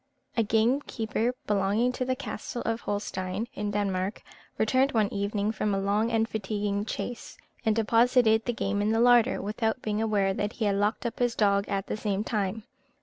A gamekeeper belonging to the castle of Holstein (in Denmark), returned one evening from a long and fatiguing chase, and deposited the game in the larder, without being aware that he had locked up his dog at the same time.